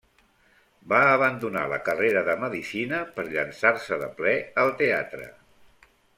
Va abandonar la carrera de Medicina per llençar-se de ple al teatre.